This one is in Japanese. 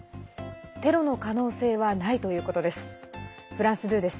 テロの可能性はないということです。